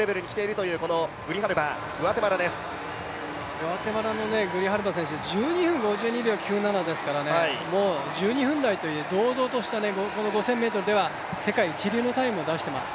グアテマラのグリハルバ選手、１２分台という、堂々とした、５０００ｍでは世界一流のタイムを出しています。